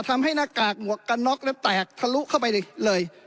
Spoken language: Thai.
ทำให้หน้ากากหมวกกันน็อคแล้วแตกทะลุเข้าไปเลย